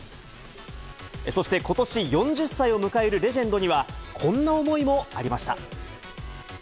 そしてことし４０歳を迎えるレジェンドには、こんな思いもありました。